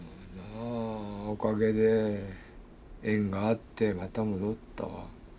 おかげで縁があってまた戻ったわ。